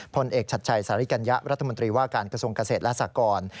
ผลเอกชัดชัยสาริกัญญะรัฐมนตรีว่าการกระทรวงเกษตรและสากร